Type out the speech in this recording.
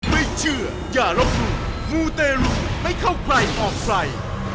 ไม่เชื่ออย่าลบมูลมูลเตรียมไม่เข้าใครออกไฟ